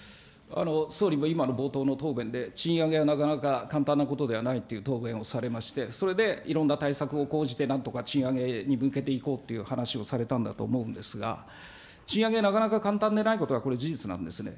総理も今の冒頭の答弁で、賃上げはなかなか簡単なことではないという答弁をされまして、それでいろんな対策を講じて、なんとか賃上げに向けていこうという話をされたんだと思うんですが、賃上げ、なかなか簡単でないことはこれ事実なんですね。